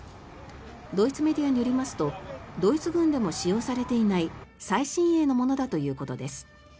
ドイツメディアによりますとドイツ軍でも使用されていない最新鋭のものだということです。